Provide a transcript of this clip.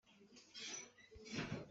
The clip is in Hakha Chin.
Na paw an in hlai bal maw?